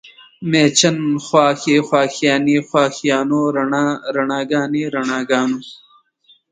مېچن، خواښې، خواښیانې، خواښیانو، رڼا، رڼاګانې، رڼاګانو